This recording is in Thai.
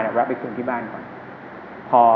หรือว่าไปคุมที่บ้านก่อน